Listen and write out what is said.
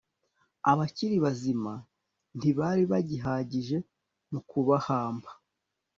abakiri bazima ntibari bagihagije mu kubahamba